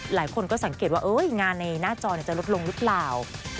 หลายคนก็สังเกตว่างานในหน้าจอจะลดลงหรือเปล่า